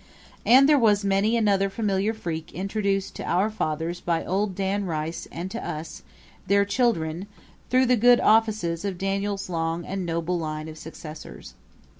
And there was many another familiar freak introduced to our fathers by Old Dan Rice and to us, their children, through the good offices of Daniel's long and noble line of successors.